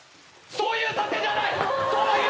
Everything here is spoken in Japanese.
そういうさせじゃない！